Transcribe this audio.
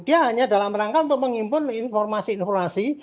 dia hanya dalam rangka untuk menghimpun informasi informasi